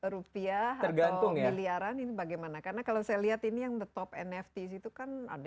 rupiah tergantung ya liaran ini bagaimana karena kalau saya lihat ini yang the top nfc itu kan ada